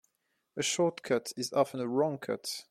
A short cut is often a wrong cut.